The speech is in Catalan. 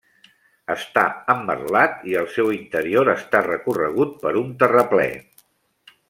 Està emmerletat i el seu interior està recorregut per un terraplè.